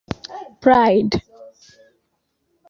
Pride.